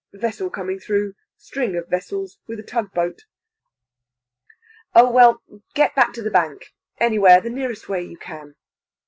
Vessel coming through string of vessels with a tug boat." "Oh, well, get back to the Bank anywhere the nearest way you can."